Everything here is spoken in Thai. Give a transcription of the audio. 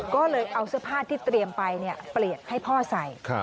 ก็เลยเอาเสื้อผ้าที่เตรียมไปเปลี่ยนให้พ่อใส่